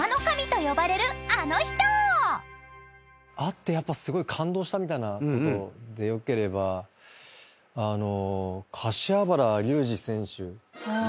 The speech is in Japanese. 会ってやっぱすごい感動したみたいなことでよければ柏原竜二選手。